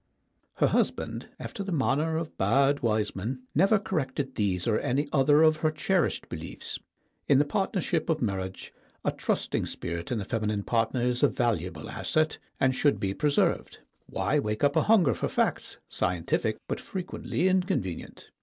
Her husband, after the manner of bad wise men, never corrected these or any other of her cherished beliefs. In the partnership of marriage a trusting spirit in the feminine partner is a valuable asset, and should be preserved. Why wake up a hunger for facts, scientific but frequently inconvenient?